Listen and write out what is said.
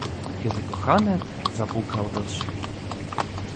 Kiedy kochanek zapukał do drzwi…